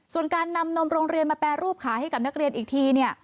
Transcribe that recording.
ส่วนการนำนมโรงเรียนมาแปรรูปขายให้กับนักเรียนอีกที